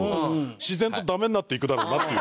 自然とダメになっていくだろうなっていう。